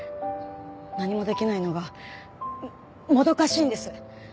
何もできないのがもどかしいんです。